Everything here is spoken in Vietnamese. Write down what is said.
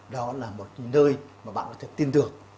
đó là một nơi mà bạn có thể tin tưởng